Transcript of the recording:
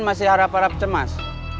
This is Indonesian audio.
masih harap harap cemas